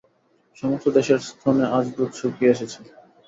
সমস্ত দেশের স্তনে আজ দুধ শুকিয়ে এসেছে।